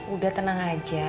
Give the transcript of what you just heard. udah tenang aja